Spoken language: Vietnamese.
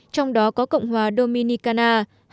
trong đó có cộng hòa dominicana